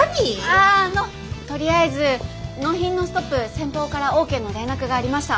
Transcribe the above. ああのとりあえず納品のストップ先方からＯＫの連絡がありました。